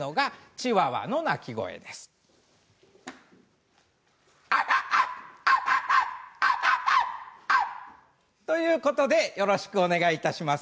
チワワの鳴きまねということでよろしくお願いいたします。